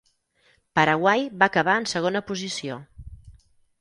Paraguai va acabar en segona posició.